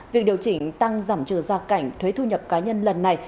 việc điều chỉnh tăng giảm trừ gia cảnh thuế thu nhập cá nhân lần này